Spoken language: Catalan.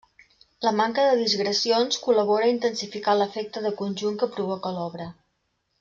La manca de digressions col·labora a intensificar l'efecte de conjunt que provoca l'obra.